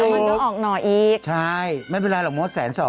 ก็มันจะออกน่ออีกใช่ไม่เป็นไรหรอกมด๑๒๐๐๐๐